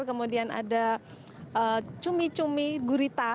kemudian ada cumi cumi gurita